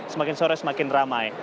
semakin sore semakin ramai